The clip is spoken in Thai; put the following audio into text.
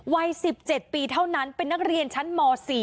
วัย๑๗ปีเท่านั้นเป็นนักเรียนชั้นม๔